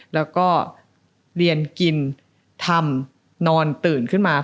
แล้วก็เรียนกินทำนอนตื่นขึ้นมา